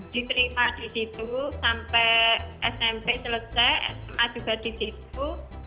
diterima di situ sampai smp selesai sma juga di situ